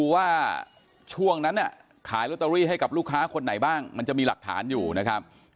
ว่าช่วงนั้นขายลอตเตอรี่ให้กับลูกค้าคนไหนบ้างมันจะมีหลักฐานอยู่นะครับ